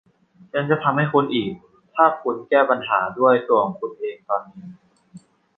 ฉันจะทำให้คุณอีกถ้าคุณแก้ปัญหาด้วยตัวของคุณเองตอนนี้